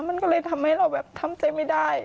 มันก็เลยทำให้เราแบบทำใจไม่ได้